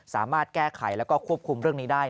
สามารถแก้ไขแล้วก็ควบคุมเรื่องนี้ได้